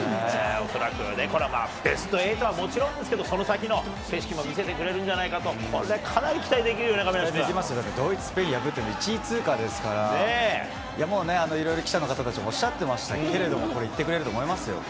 恐らくね、これもうベスト８はもちろんですけれども、その先の景色も見せてくれるんじゃないかと、これ、かなり期待で期待できますね、ドイツ、スペインを破っての１位通過ですから、もうね、いろいろ記者の方たちもおっしゃっていましたけれども、